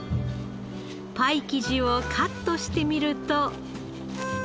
パイ生地をカットしてみると。